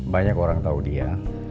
banyak orang tahu dia